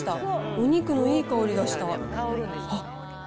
お肉のいい香りがした。